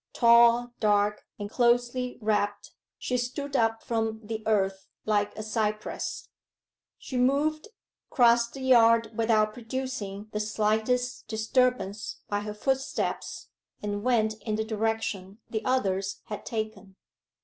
Tall, dark, and closely wrapped, she stood up from the earth like a cypress. She moved, crossed the yard without producing the slightest disturbance by her footsteps, and went in the direction the others had taken.